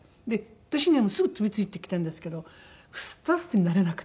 私にはもうすぐ飛び付いてきたんですけどスタッフに慣れなくて。